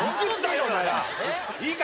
いいか？